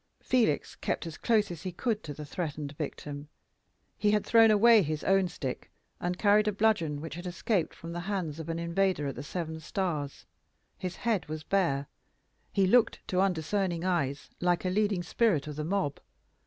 Felix kept as close as he could to the threatened victim. He had thrown away his own stick, and carried a bludgeon which had escaped from the hands of an invader at the Seven Stars; his head was bare; he looked, to undiscerning eyes, like a leading spirit of the mob.